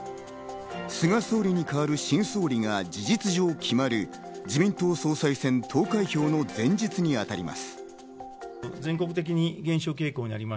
菅総理に代わる新総理が事実上決まり、自民党総裁選投開票の前日に当たります。